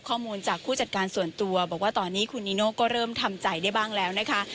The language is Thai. ข้อมูลจากผู้จัดการส่วนตัวบอกว่าตอนนี้คุณนิโน่ก็เริ่มทำใจได้บ้างแล้วนะคะ